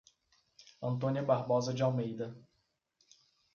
Antônia Barbosa de Almeida